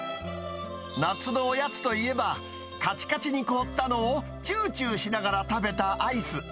夏のおやつといえば、かちかちに凍ったのを、チューチューしながら食べたアイス。